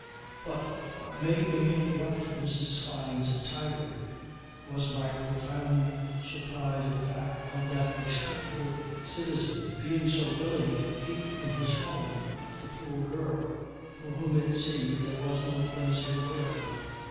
But what made me interrupt Mrs. Fyne's tirade was my profound surprise at the fact of that respectable citizen being so willing to keep in his home the poor girl for whom it seemed there was no place in the world.